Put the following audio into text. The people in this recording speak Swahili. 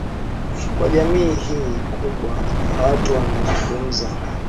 kwa jamii hii kubwa ya watu wanaozungumza